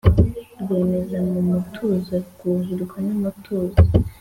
Rwameze mu mutuzo Rwuhirwa n'umutozo.